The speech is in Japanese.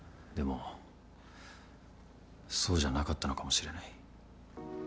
でもそうじゃなかったのかもしれない